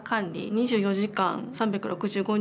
２４時間３６５日